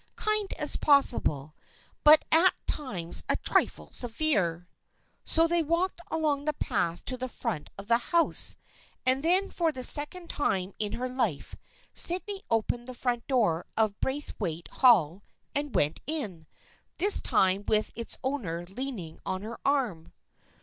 Kind as possible, but at times a trifle severe." So they walked along the path to the front of the house, and then for the second time in her life Sydney opened the front door of Braithwaite Hall and went in, this time with its owner lean ing on her arm.